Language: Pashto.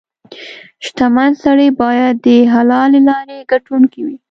• شتمن سړی باید د حلالې لارې ګټونکې وي.